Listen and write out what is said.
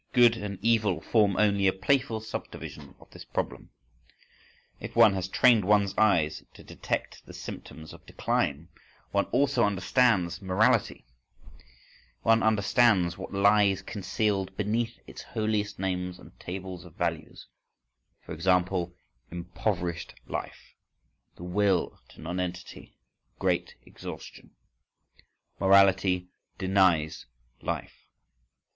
"Good and evil" form only a playful subdivision of this problem. If one has trained one's eye to detect the symptoms of decline, one also understands morality,—one understands what lies concealed beneath its holiest names and tables of values: e.g., impoverished life, the will to nonentity, great exhaustion. Morality denies life.